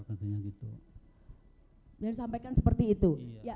dari sampaikan seperti itu